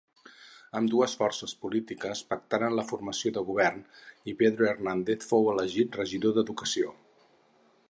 Ambdues forces polítiques pactaren la formació de govern i Pedro Hernández fou elegit regidor d'educació.